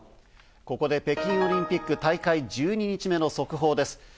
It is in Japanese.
北京オリンピック大会１２日目の速報です。